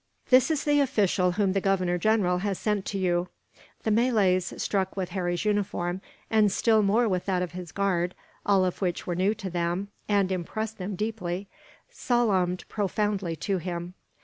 "This is the official whom the Governor General has sent to you." The Malays, struck with Harry's uniform, and still more with that of his guard all of which were new to them, and impressed them deeply salaamed profoundly to him.